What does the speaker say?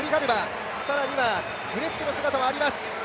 更にはグレッシエの姿もあります。